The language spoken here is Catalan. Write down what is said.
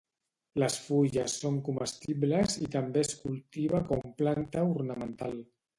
Les fulles són comestibles i també es cultiva com planta ornamental.